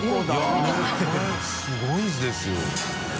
海すごいですよ。